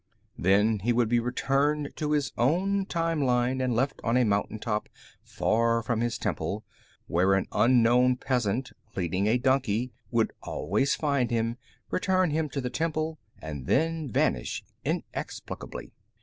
Then he would be returned to his own time line and left on a mountain top far from his temple, where an unknown peasant, leading a donkey, would always find him, return him to the temple, and then vanish inexplicably.